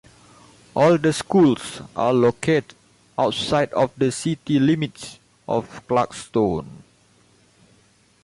All the schools are located outside of the city limits of Clarkston.